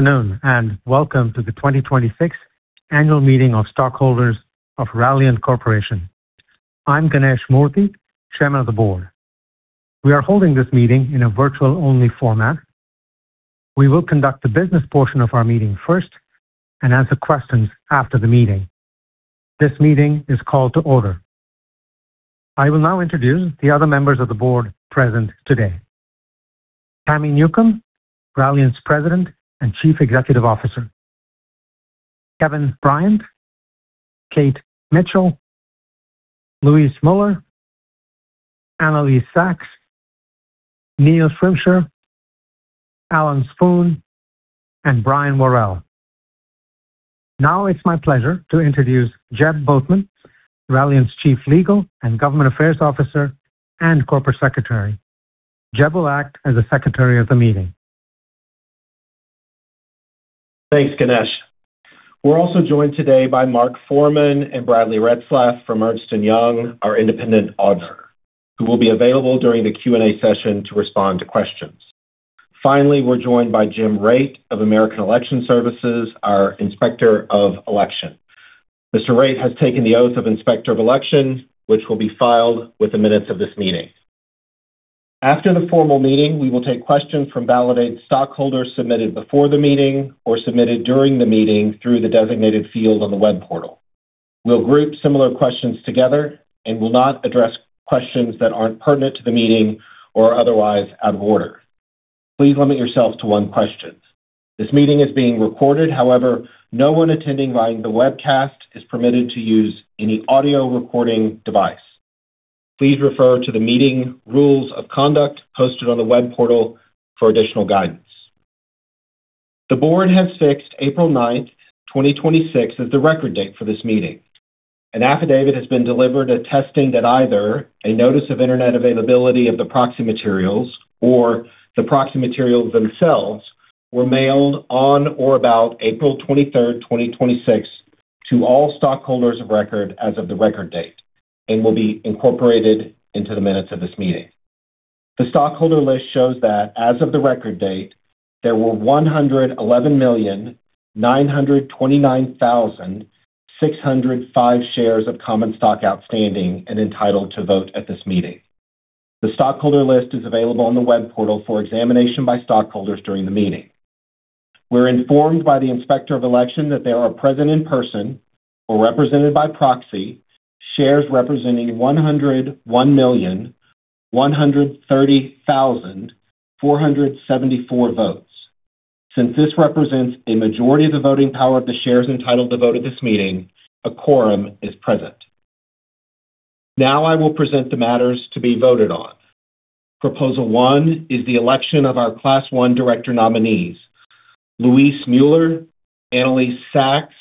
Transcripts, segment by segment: Afternoon, welcome to the 2026 Annual Meeting of Stockholders of Ralliant Corporation. I'm Ganesh Moorthy, chairman of the board. We are holding this meeting in a virtual-only format. We will conduct the business portion of our meeting first and answer questions after the meeting. This meeting is called to order. I will now introduce the other members of the board present today. Tami Newcombe, Ralliant's President and Chief Executive Officer, Kevin Bryant, Kate Mitchell, Luis Müller, Anelise Sacks, Neil Schrimsher, Alan Spoon, and Brian Worrell. Now it's my pleasure to introduce Jeb Boatman, Ralliant's Chief Legal and Government Affairs Officer and Corporate Secretary. Jeb will act as a secretary of the meeting. Thanks, Ganesh. We're also joined today by Mark Foreman and Bradley Retzlaff from Ernst & Young, our independent auditor, who will be available during the Q&A session to respond to questions. Finally, we're joined by Jim Raitt of American Election Services, our Inspector of Election. Mr. Raitt has taken the oath of Inspector of Election, which will be filed with the minutes of this meeting. After the formal meeting, we will take questions from validated stockholders submitted before the meeting or submitted during the meeting through the designated field on the web portal. We'll group similar questions together and will not address questions that aren't pertinent to the meeting or are otherwise out of order. Please limit yourself to one question. This meeting is being recorded. However, no one attending via the webcast is permitted to use any audio recording device. Please refer to the meeting rules of conduct posted on the web portal for additional guidance. The board has fixed April 9th, 2026 as the record date for this meeting. An affidavit has been delivered attesting that either a notice of internet availability of the proxy materials or the proxy materials themselves were mailed on or about April 23rd, 2026 to all stockholders of record as of the record date and will be incorporated into the minutes of this meeting. The stockholder list shows that as of the record date, there were 111,929,605 shares of common stock outstanding and entitled to vote at this meeting. The stockholder list is available on the web portal for examination by stockholders during the meeting. We're informed by the Inspector of Election that they are present in person or represented by proxy shares representing 101,130,474 votes. Since this represents a majority of the voting power of the shares entitled to vote at this meeting, a quorum is present. Now I will present the matters to be voted on. Proposal 1 is the election of our Class 1 director nominees, Luis Müller, Anelise Sacks,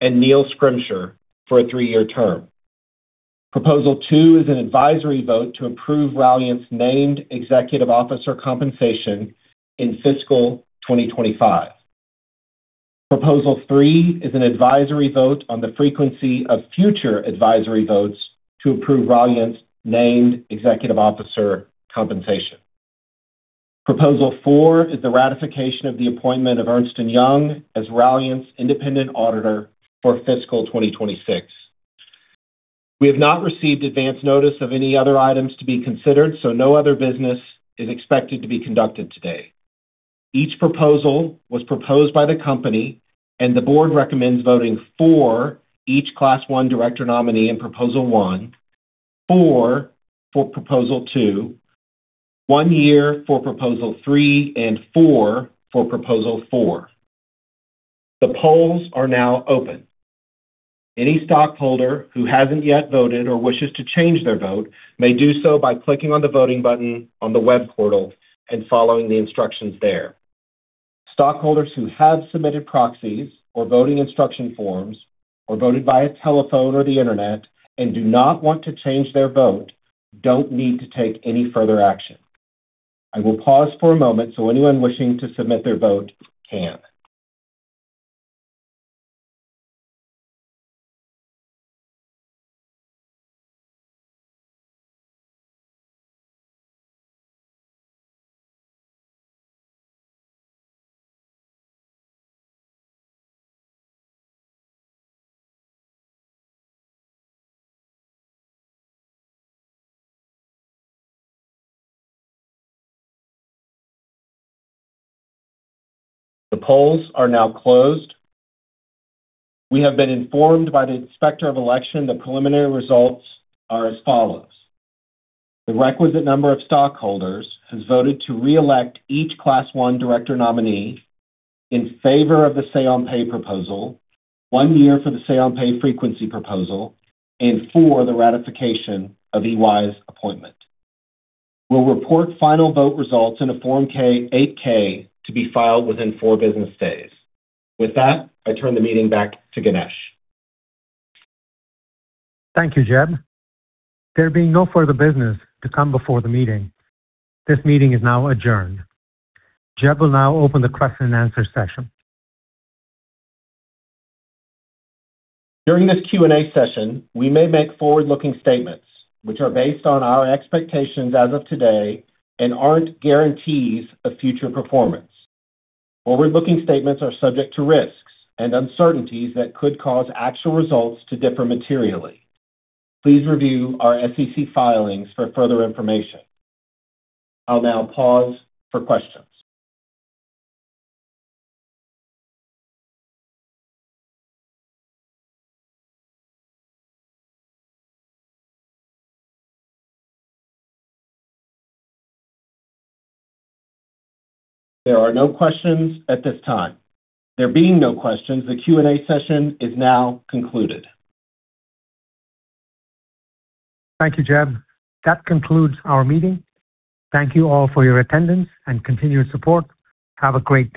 and Neil Schrimsher for a three-year term. Proposal 2 is an advisory vote to approve Ralliant's named executive officer compensation in fiscal 2025. Proposal 3 is an advisory vote on the frequency of future advisory votes to approve Ralliant's named executive officer compensation. Proposal 4 is the ratification of the appointment of Ernst & Young as Ralliant's independent auditor for fiscal 2026. We have not received advance notice of any other items to be considered, no other business is expected to be conducted today. Each proposal was proposed by the company, the board recommends voting for each Class I director nominee in Proposal 1, for Proposal 2, one year for Proposal 3, and four for Proposal 4. The polls are now open. Any stockholder who hasn't yet voted or wishes to change their vote may do so by clicking on the voting button on the web portal and following the instructions there. Stockholders who have submitted proxies or voting instruction forms or voted via telephone or the internet and do not want to change their vote don't need to take any further action. I will pause for a moment so anyone wishing to submit their vote can. The polls are now closed. We have been informed by the Inspector of Election the preliminary results are as follows: The requisite number of stockholders has voted to reelect each Class I director nominee in favor of the Say on Pay proposal, one year for the Say on Pay frequency proposal, and for the ratification of EY's appointment. We'll report final vote results in a Form 8-K to be filed within four business days. With that, I turn the meeting back to Ganesh. Thank you, Jeb. There being no further business to come before the meeting, this meeting is now adjourned. Jeb will now open the question and answer session. During this Q&A session, we may make forward-looking statements which are based on our expectations as of today and aren't guarantees of future performance. Forward-looking statements are subject to risks and uncertainties that could cause actual results to differ materially. Please review our SEC filings for further information. I'll now pause for questions. There are no questions at this time. There being no questions, the Q&A session is now concluded. Thank you, Jeb. That concludes our meeting. Thank you all for your attendance and continuous support. Have a great day.